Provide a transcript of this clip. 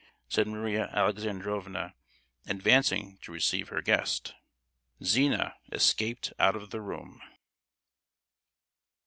said Maria Alexandrovna, advancing to receive her guest. Zina escaped out of the room.